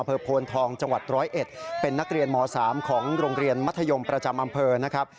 โพนทองจังหวัด๑๐๑เป็นนักเรียนม๓ของโรงเรียนมัธยมประจำอำเภอนะครับ